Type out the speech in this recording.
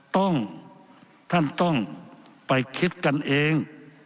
ต้องท่านต้องไปคิดกันเอง